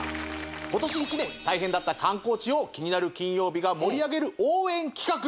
今年１年大変だった観光地を「キニナル金曜日」が盛り上げる応援企画